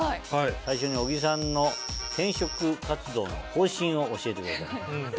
「最初に小木さんの転職活動の方針を教えてください」。